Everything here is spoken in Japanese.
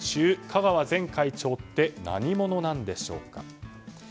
香川前会長って何者なんでしょうか。